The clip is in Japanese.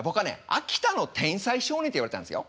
秋田の天才少年って言われてたんですよ。